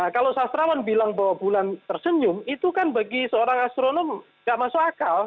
kalau sastrawan bilang bahwa bulan tersenyum itu kan bagi seorang astronom gak masuk akal